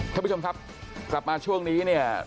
ท่านผู้ชมครับกลับมาช่วงนี้เนี่ย